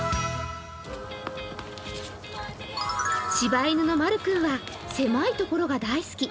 柴犬のまるくんは狭いところが大好き。